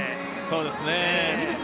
そうですね。